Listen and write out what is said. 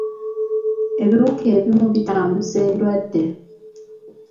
Ebiwuka ebimu bitambuza endwadde.